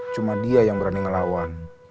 cuma dia yang berani ngelawan